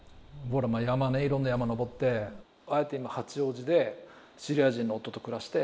山ねいろんな山登って今八王子でシリア人の夫と暮らして。